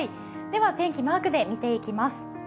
では、天気をマークで見ていきます